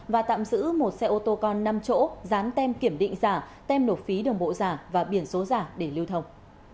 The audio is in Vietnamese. và tạm giữ một xe ô tô con năm chỗ dán tem kiểm định giả tem nộp phí đường bộ giả và biển số giả để lưu thông